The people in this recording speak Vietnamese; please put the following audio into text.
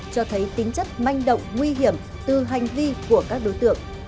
cho thấy tính chất manh động nguy hiểm từ hành vi của các đối tượng